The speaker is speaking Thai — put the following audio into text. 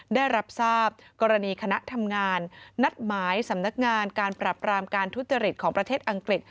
ได้รับทราบกรณีคณะทำงานนัดหมายสำนักงานการปรับรามการทุจริตของประเทศอังกฤษ